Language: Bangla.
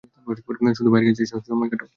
শুধু ভাইয়ের কাছে এসে সময় কাটাও।